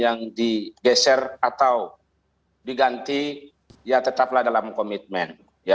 yang digeser atau diganti ya tetaplah dalam komitmen